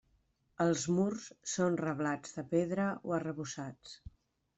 Els murs són reblats de pedra o arrebossats.